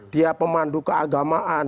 dia pemandu keagamaan